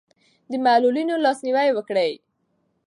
د معلولینو لاسنیوی وکړئ.